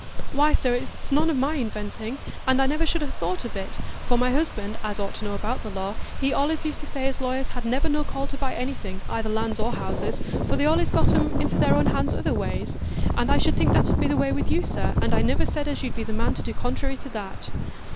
"Why, sir, it's none o' my inventing, and I should never ha' thought of it; for my husband, as ought to know about the law, he allays used to say as lawyers had never no call to buy anything,—either lands or houses,—for they allays got 'em into their hands other ways. An' I should think that 'ud be the way with you, sir; and I niver said as you'd be the man to do contrairy to that."